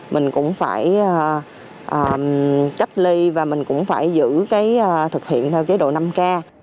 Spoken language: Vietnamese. mình cũng phải trách ly và mình cũng phải giữ thực hiện theo chế độ năm k